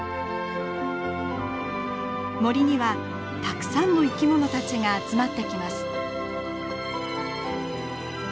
森にはたくさんの生き物たちが集まってきます。